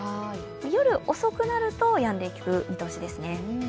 夜遅くなると、やんでいく見通しですね。